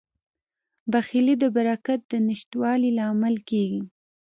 بخیلي د برکت د نشتوالي لامل کیږي.